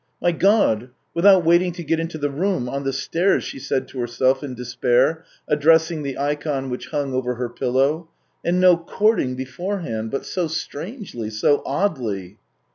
" My God ! without waiting to get into the room, on the stairs," she said to herself in despair, addressing the ikon which hung over her pillow; " and no courting beforehand, but so strangely, so oddly.